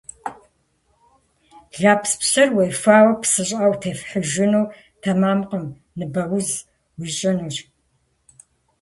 Лэпс пщтыр уефауэ псы щӀыӀэ утефыхьыжыну тэмэмкъым - ныбэуз уищӀынущ.